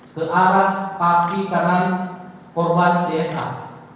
ke arah kaki tangan korban dna